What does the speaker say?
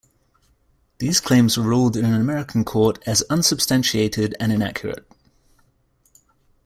These claims were ruled in an American court as "unsubstantiated and inaccurate".